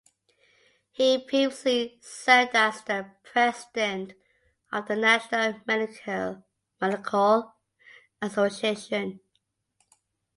He previously served as the President of the National Medical Association.